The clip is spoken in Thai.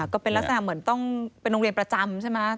ก็เป็นลักษณะเหมือนต้องเป็นโรงเรียนประจำใช่ไหม